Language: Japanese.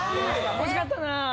惜しかったな。